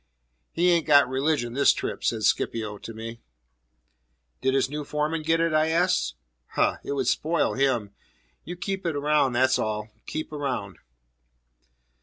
"He ain't got religion this trip," said Scipio to me. "Did his new foreman get it?" I asked. "Huh! It would spoil him. You keep around, that's all. Keep around."